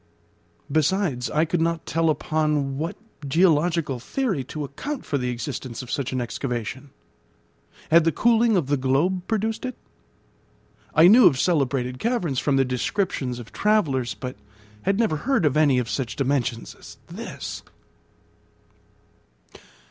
Besides I could not tell upon what geological theory to account for the existence of such an excavation. Had the cooling of the globe produced it? I knew of celebrated caverns from the descriptions of travellers, but had never heard of any of such dimensions as this.